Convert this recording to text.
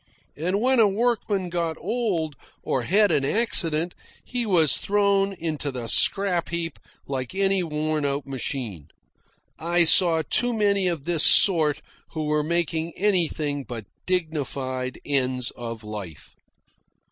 And when a workman got old, or had an accident, he was thrown into the scrap heap like any worn out machine. I saw too many of this sort who were making anything but dignified ends of life.